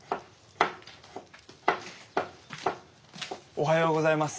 おはようございます。